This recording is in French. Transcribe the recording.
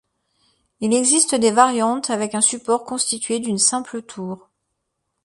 Il existe des variantes avec un support constitué d'une simple tour.